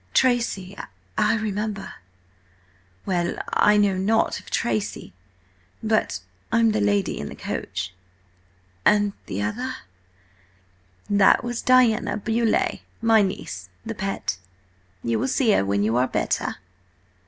–Tracy–I remember!" "Well, I know nought of Tracy, but I'm the lady in the coach." "And the other—" "That was Diana Beauleigh, my niece–the pet. You will see her when you are better."